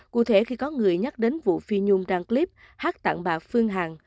cụ thể khi có người nhắc đến vụ phi nhung đăng clip hát tặng bà phương hằng